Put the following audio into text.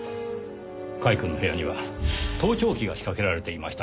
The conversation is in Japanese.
甲斐くんの部屋には盗聴器が仕掛けられていました。